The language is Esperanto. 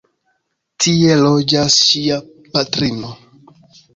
Tie loĝas ŝia patrino.